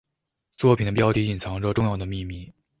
作品的标题隐藏着重要的秘密。